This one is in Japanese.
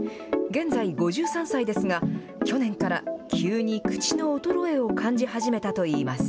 現在５３歳ですが、去年から急に口の衰えを感じ始めたといいます。